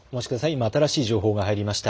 新しい情報が入りました。